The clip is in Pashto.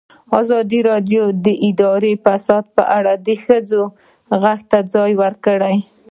ازادي راډیو د اداري فساد په اړه د ښځو غږ ته ځای ورکړی.